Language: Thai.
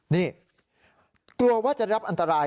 นี่กลัวว่าจะรับอันตราย